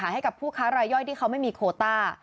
ให้กับผู้ค้ารายย่อยที่เขาไม่มีโคต้า